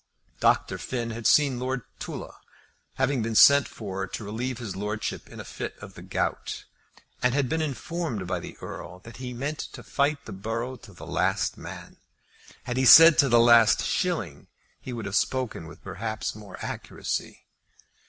Dr. Finn had seen Lord Tulla, having been sent for to relieve his lordship in a fit of the gout, and had been informed by the Earl that he meant to fight the borough to the last man; had he said to the last shilling he would have spoken with perhaps more accuracy.